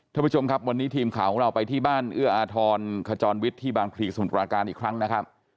ท่านผู้ชมครับวันนี้ทีมข่าวของเราไปที่บ้านเอื้ออาทรขจรวิทย์ที่บางพลีสมุทรปราการอีกครั้งนะครับ